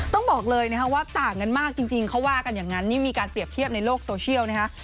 ต้องบอกเลยนะครับว่าต่างกันมากจริงเขาว่ากันอย่างนั้นนี่มีการเปรียบเทียบในโลกโซเชียลนะคะ